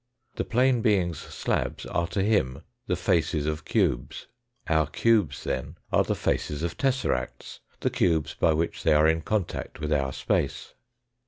The plane being's slabs are to him the faces of cubes. Our cubes then are the faces of tesseracts, the cubes by which they are in contact with our space.